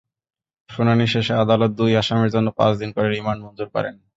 শুনানি শেষে আদালত দুই আসামির জন্য পাঁচ দিন করে রিমান্ড মঞ্জুর করেছেন।